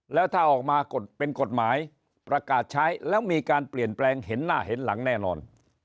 แล้วถ้าออกมาเป็นกฎหมายประกาศใช้แล้วมีการเปลี่ยนแปลงเห็นหน้าเห็นหลังแน่นอน